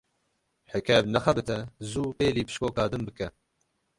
Heke ev nexebite, zû pêlî bişkoka din bike.